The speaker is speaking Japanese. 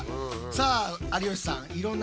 さあ有吉さん